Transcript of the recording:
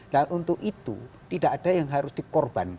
dan untuk itu tidak ada yang harus dikorban